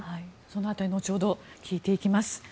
その辺り、後ほど聞いていきます。